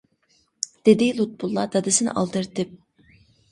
- دېدى لۇتپۇللا دادىسىنى ئالدىرىتىپ.